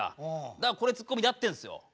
だからこれツッコミでやってんですよ。